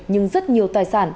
nhưng rất nhiều tài sản